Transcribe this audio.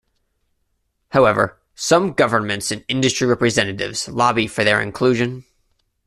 However, some governments and industry representatives lobby for their inclusion.